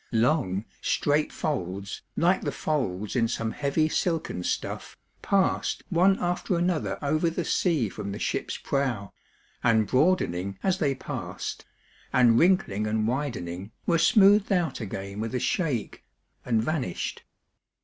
Long, straight folds, like the folds in some heavy silken stuff, passed one after another over the sea from the ship's prow, and broadening as they passed, and wrinkling and widening, were smoothed out again with a shake, and vanished.